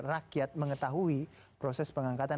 rakyat mengetahui proses pengangkatan